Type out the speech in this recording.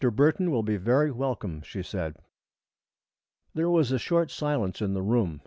Burton will be very welcome," she said. There was a short silence in the room.